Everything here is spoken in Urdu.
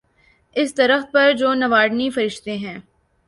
اس درخت پر جو نوارنی فرشتے ہیں۔